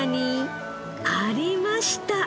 ありました！